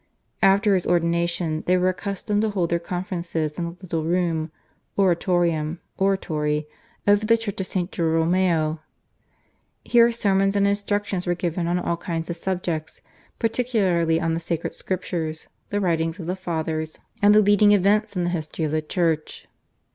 After his ordination they were accustomed to hold their conferences in a little room (/Oratorium/, Oratory) over the church of St. Girolmao. Here sermons and instructions were given on all kinds of subjects, particularly on the Sacred Scriptures, the writings of the Fathers, and the leading events in the history of the Church.